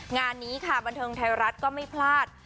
งานนี้ค่ะบันเทิงไทยรัฐก็ไม่พลาด